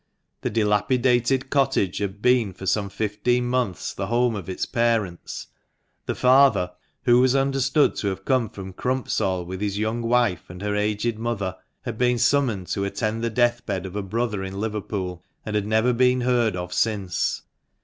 The dilapidated cottage had been for some fifteen months the home of its parents. The father, who was understood to have come from Crumpsall with his young wife and her aged mother, had been summoned to attend the death bed of a brother in Liverpool, and had never been heard of since.